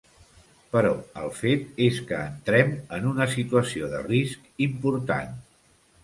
Però el fet és que entrem en una situació de risc important.